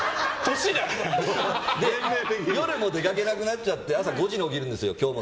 夜も出かけなくなっちゃって朝５時に起きるんですよ。